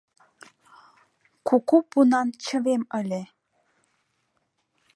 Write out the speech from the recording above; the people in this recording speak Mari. Куку пунан чывем ыле -